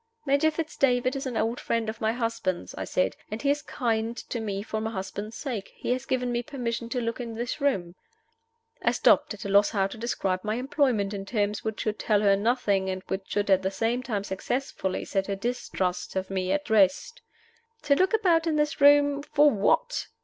"Major Fitz David is an old friend of my husband's," I said, "and he is kind to me for my husband's sake. He has given me permission to look in this room " I stopped, at a loss how to describe my employment in terms which should tell her nothing, and which should at the same time successfully set her distrust of me at rest. "To look about in this room for what?"